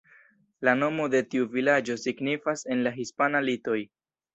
La nomo de tiu vilaĝo signifas en la hispana "Litoj".